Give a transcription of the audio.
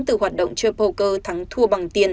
từ hoạt động chơi poker thắng thua bằng tiền